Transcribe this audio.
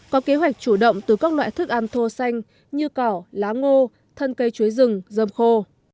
chủ động từ các loại thức ăn thô xanh như cào lá ngô thân cây chuối rừng dơm khô